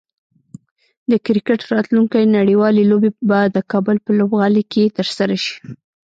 د کرکټ راتلونکی نړیوالې لوبې به د کابل په لوبغالي کې ترسره شي